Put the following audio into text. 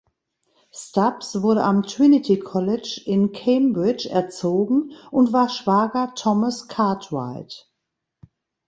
Stubbs wurde am Trinity College in Cambridge erzogen und war Schwager Thomas Cartwright.